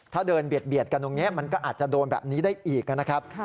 ถ้าเดินเบียดกันตรงนี้มันก็อาจจะโดนแบบนี้ได้อีกนะครับ